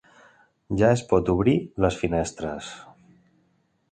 Ja es pot obrir les finestres.